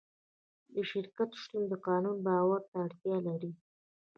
د شرکت شتون د قانون باور ته اړتیا لري.